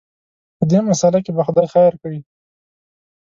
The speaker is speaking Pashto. په دې مساله کې به خدای خیر کړي.